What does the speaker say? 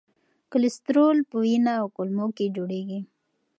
کلسترول په ینه او کولمو کې جوړېږي.